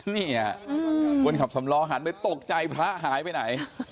เนี่ยคนขับสำล้อหันไปตกใจพระหายไปไหน